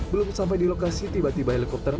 belum sampai di lokasi tiba tiba helikopter